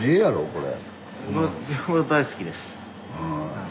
これ。